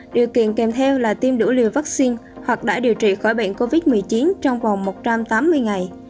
điều kiện kèm theo là tiêm đủ liều vaccine hoặc đã điều trị khỏi bệnh covid một mươi chín trong vòng một trăm tám mươi ngày